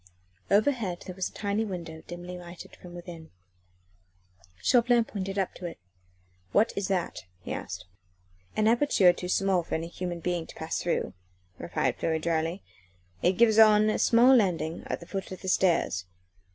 Overhead there was a tiny window dimly lighted from within. Chauvelin pointed up to it. "What is that?" he asked. "An aperture too small for any human being to pass through," replied Fleury drily. "It gives on a small landing at the foot of the stairs.